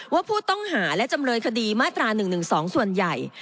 ว่าผู้ต้องหาและจำเลยคดีมาตรา๑๑๒ส่วนใหญ่